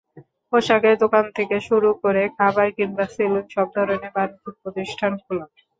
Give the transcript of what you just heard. পোশাকের দোকান থেকে শুরু করে খাবার কিংবা সেলুন—সব ধরনের বাণিজ্যিক প্রতিষ্ঠান খোলা।